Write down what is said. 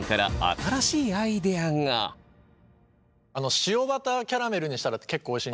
塩バターキャラメルにしたら結構おいしい。